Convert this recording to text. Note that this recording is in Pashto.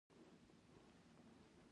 د احمد بخت ويده دی.